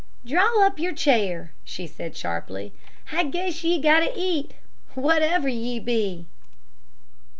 "Draw up your chair!" she said sharply. "I guess ye got to eat, whatever ye be!"